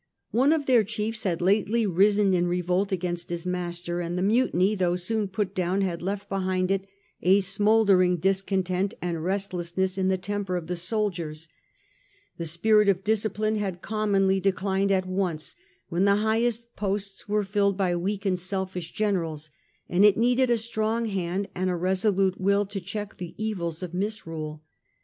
One of their chiefs had lately risen in revolt against his master, and the mutiny, though soon put down, had left behind it a smouldei ing discontent and restlessness in thetempei 26 A.D. The Age of the Antonines, of the soldiers. The spirit of discipline had commonly declined at once when the highest posts were filled by On the side weak and selfish generals, and it needed a he hadteen hand and a resolute will to check the content to evils of misrule.